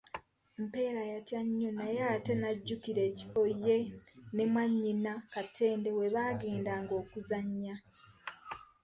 Mpeera yatya nnyo naye ate n'ajjukira ekifo ye ne mwannyina Katende we baagendanga okuzannya.